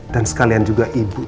dan sekalian juga ibu